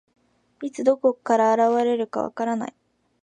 いつ、どこから現れるか分からない。